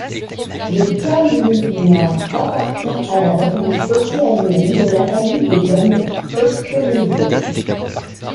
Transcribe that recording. Le kuanua appartient à la branche océanienne de la famille des langues austronésiennes.